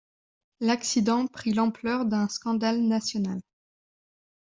L'accident prit l'ampleur d'un scandale national.